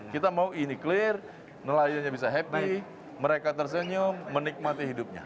kita mau ini clear nelayannya bisa happy mereka tersenyum menikmati hidupnya